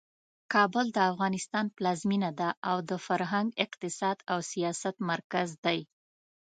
کابل د افغانستان پلازمینه ده او د فرهنګ، اقتصاد او سیاست مرکز دی.